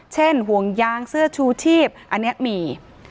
ห่วงยางเสื้อชูชีพอันนี้มี